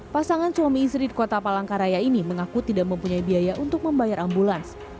pasangan suami istri di kota palangkaraya ini mengaku tidak mempunyai biaya untuk membayar ambulans